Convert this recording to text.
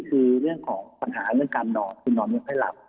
ว่าทีนื่องของปัญหาเรื่องการหน่อนคุณหน่อนไม่ไข่หล่ำ